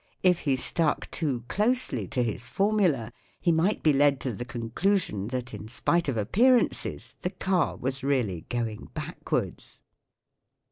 If he stuck too closely to his formula he might be led to the conclusion that, in spite of appearances, the car was really going backwards